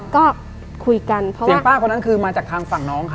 ก็คุยกันเพราะว่าเสียป้าคนนั้นคือมาจากทางฝั่งน้องเขา